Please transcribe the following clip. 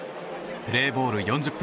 プレーボール４０分